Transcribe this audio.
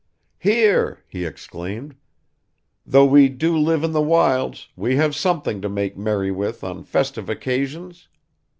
"Here," he exclaimed, "though we do live in the wilds, we have something to make merry with on festive occasions!"